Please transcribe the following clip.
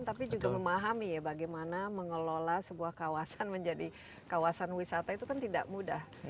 tapi juga memahami ya bagaimana mengelola sebuah kawasan menjadi kawasan wisata itu kan tidak mudah